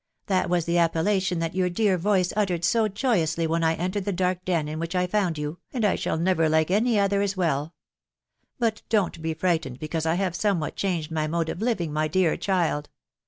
That was the appellation that your • dear voice uttered so joyously when I entered the dark den in which I found you, and I shall never like any other as well But don't be frightened because I have somewhat changed my mode of living, my dear child.